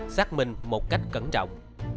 xác minh một cách cẩn trọng